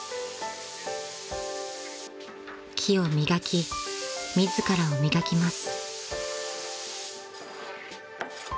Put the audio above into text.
［木を磨き自らを磨きます］